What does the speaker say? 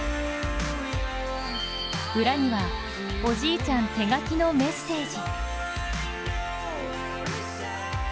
裏には、おじいちゃん手書きのメッセージ。